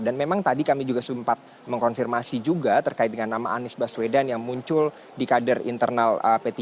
dan memang tadi kami juga sempat mengkonfirmasi juga terkait dengan nama anies baswedan yang muncul di kader internal p tiga